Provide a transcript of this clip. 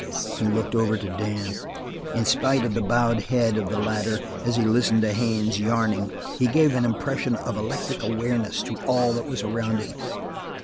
He looked over to Dan. In spite of the bowed head of the latter as he listened to Haines yarning he gave an impression of electric awareness to all that was around him.